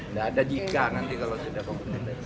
nggak ada jika nanti kalau sudah kompeten